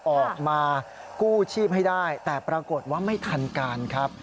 ออกมากู้ชีพให้ได้แต่ปรากฏว่าไม่ทันการครับ